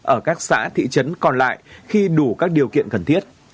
ở các xã thị trấn còn lại khi đủ các điều kiện cần thiết